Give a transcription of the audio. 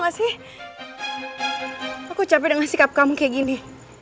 masih aku capek dengan sikap kamu kayak gini